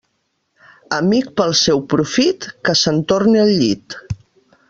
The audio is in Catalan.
Amic pel seu profit, que se'n torne al llit.